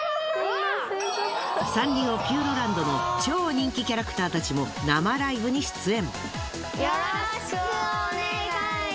サンリオピューロランドの超人気キャラクターたちも生ライブに出演。